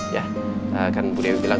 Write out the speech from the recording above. ya kan bu dewi bilang